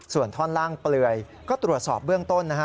ส่วนท่อนล่างเปลือยก็ตรวจสอบเบื้องต้นนะฮะ